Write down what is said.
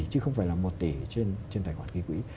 chứ không phải là một tỷ trên tài khoản ghi quỹ